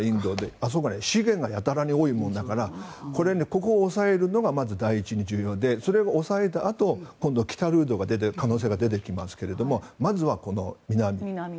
あそこは資源がやたら多いものだからここを押さえるのがまず第一に重要でそれを抑えたあと今度は北ルートが出てくる可能性がありますけどまずはこの南。